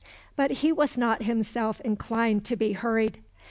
But he was not himself inclined to be hurried.